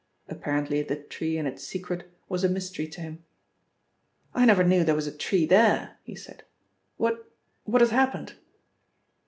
Apparently the tree and its secret was a mystery to him. "I never knew there was a tree there," he said. "What what has happened?"